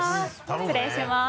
失礼します。